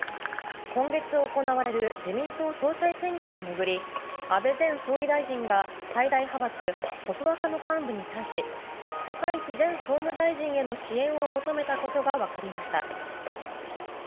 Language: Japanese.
今月行われる自民党総裁選挙を巡り安倍前総理大臣が最大派閥、細田派の幹部に対し高市前総務大臣への支援を求めたことが分かりました。